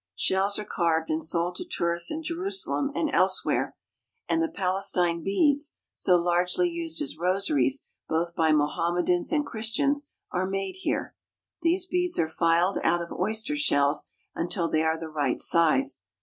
Shells are carved and sold to tourists in Jerusalem and elsewhere, and the Palestine beads, so largely used as rosaries, both by Mohammedans and Christians, are made here. These beads are filed out of oyster shells until they are the right size.